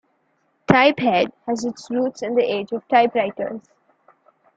Typeahead has its roots in the age of typewriters.